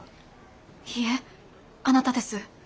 いえあなたです。